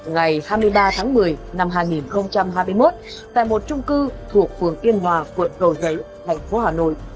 ngày hai mươi ba tháng một mươi năm hai nghìn hai mươi một tại một trung cư thuộc phường yên hòa quận cầu giấy thành phố hà nội